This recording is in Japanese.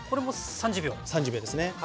３０秒ですね。